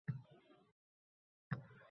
Inim hech nimani qizg’anmasdi, yig’lamasdi